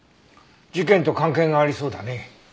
事件と関係がありそうだね。